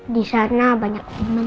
disana banyak temen